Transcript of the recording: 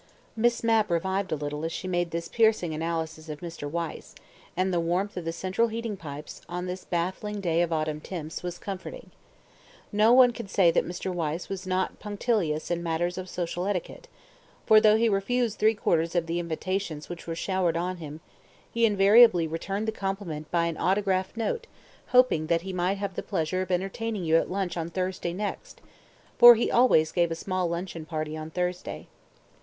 Miss Mapp revived a little as she made this piercing analysis of Mr. Wyse, and the warmth of the central heating pipes, on this baffling day of autumn tints, was comforting. ... No one could say that Mr. Wyse was not punctilious in matters of social etiquette, for though he refused three quarters of the invitations which were showered on him, he invariably returned the compliment by an autograph note hoping that he might have the pleasure of entertaining you at lunch on Thursday next, for he always gave a small luncheon party on Thursday.